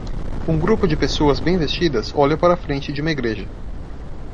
Um grupo de pessoas bem vestidas olha para a frente de uma igreja.